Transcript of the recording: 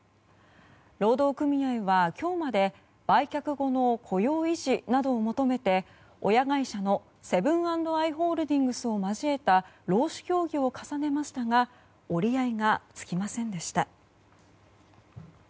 労働組合は今日まで売却後の雇用維持などを求めて親会社のセブン＆アイ・ホールディングスを交えた労使協議を重ねましたが折り合いがつきませんでした。